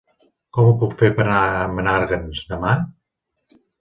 Com ho puc fer per anar a Menàrguens demà?